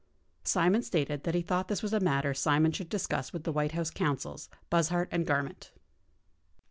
Simon stated that he thought this was a matter Simon should discuss with the White House counsels, Buzhardt and Garment.